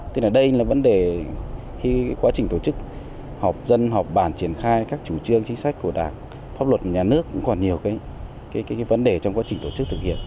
thế là đây là vấn đề khi quá trình tổ chức họp dân họp bản triển khai các chủ trương chính sách của đảng pháp luật của nhà nước cũng còn nhiều cái vấn đề trong quá trình tổ chức thực hiện